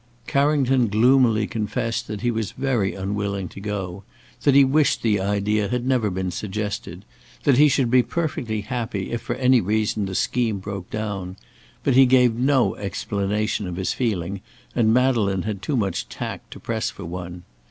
Carrington gloomily confessed that he was very unwilling to go; that he wished the idea had never been suggested; that he should be perfectly happy if for any reason the scheme broke down; but he gave no explanation of his feeling, and Madeleine had too much tact to press for one.